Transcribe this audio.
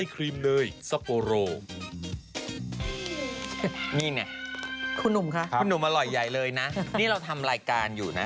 นี่ไงคุณหนุ่มคะคุณหนุ่มอร่อยใหญ่เลยนะนี่เราทำรายการอยู่นะ